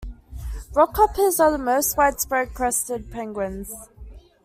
Rockhoppers are the most widespread crested penguins.